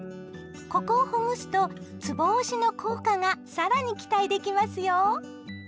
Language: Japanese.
ここをほぐすとつぼ押しの効果が更に期待できますよ！